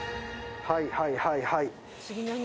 はいはいはいはい。